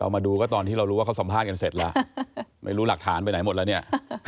มาดูก็ตอนที่เรารู้ว่าเขาสัมภาษณ์กันเสร็จแล้วไม่รู้หลักฐานไปไหนหมดแล้วเนี่ย